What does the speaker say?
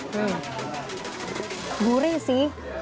hmm gurih sih